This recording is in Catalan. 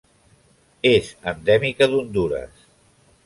És endèmica d'Hondures.